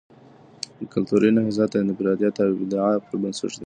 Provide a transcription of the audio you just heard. د کلتوری نهضت د انفرادیت او ابداع پر بنسټ دی.